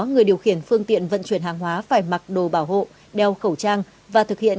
người điều khiển phương tiện vận chuyển hàng hóa phải mặc đồ bảo hộ đeo khẩu trang và thực hiện